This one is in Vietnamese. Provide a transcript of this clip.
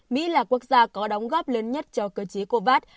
mỹ là quốc gia có đóng góp lớn nhất cho cơ chế covax